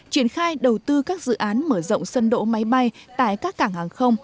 triển khai đầu tư các dự án mở rộng sân đỗ máy bay tại các cảng hàng không